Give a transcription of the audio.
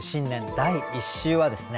第１週はですね